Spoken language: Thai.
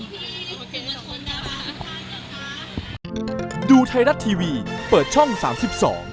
โปรดติดตามตอนต่อไป